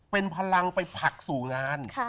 เป็นพลังไปผลักสู่งาน